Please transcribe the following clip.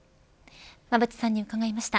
馬渕さんに伺いました。